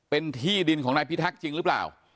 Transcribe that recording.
เป็นที่ดินของนายพิทักษ์จริงหรือเปล่า